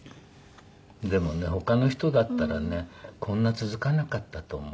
でもね他の人だったらねこんな続かなかったと思う。